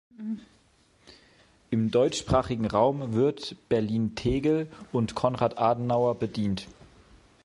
Im deutschsprachigen Raum wird Berlin-Tegel und Konrad-Adenauer bedient.